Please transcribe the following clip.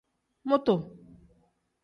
Mutu.